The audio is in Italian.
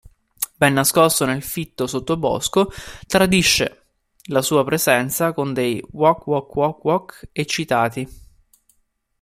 Ben nascosto nel fitto sottobosco, tradisce la sua presenza con dei "wak-wak-wak-wak" eccitati.